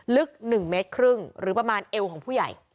ลึก๑เมตรครึ่งหรือประมาณเอวของผู้ใหญ่